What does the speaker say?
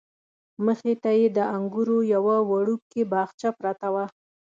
مخې ته یې د انګورو یوه وړوکې باغچه پرته وه.